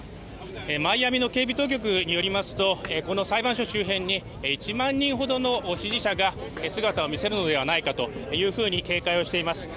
マイアミの警備当局によりますとこの裁判所周辺に１万人ほどの支持者が姿を見せるのではないかというふうに警戒をしています。